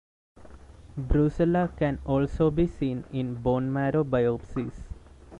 "Brucella" can also be seen in bone marrow biopsies.